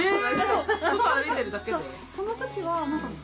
その時は。